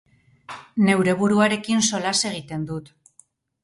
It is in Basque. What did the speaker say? Neure buruarekin solas egiten dut.